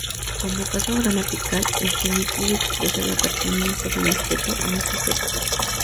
Como caso gramatical, el genitivo expresa la pertenencia de un objeto a un sujeto.